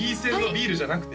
ビールじゃなくて？